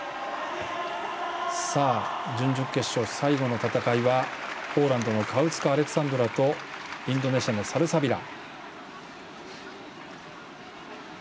準々決勝、最後の戦いはポーランドのカウツカ・アレクサンドラとインドネシアのサルサビラ。